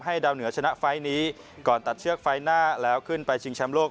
ดาวเหนือชนะไฟล์นี้ก่อนตัดเชือกไฟล์หน้าแล้วขึ้นไปชิงแชมป์โลก